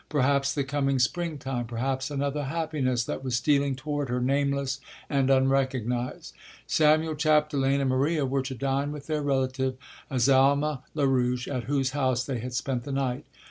Perhaps the coming springtime ... perhaps another happiness that was stealing toward her, nameless and unrecognized. Samuel Chapdelaine and Maria were to dine with their relative Azalma Larouche, at whose house they had spent the night.